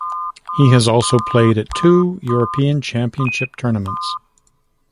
He has also played at two European Championship tournaments.